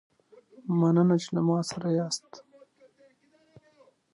یورانیم د افغان تاریخ په کتابونو کې ذکر شوی دي.